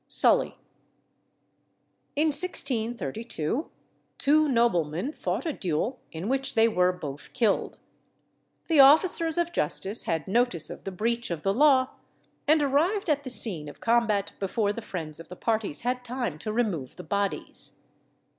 [Illustration: SULLY.] In 1632 two noblemen fought a duel in which they were both killed. The officers of justice had notice of the breach of the law, and arrived at the scene of combat before the friends of the parties had time to remove the bodies.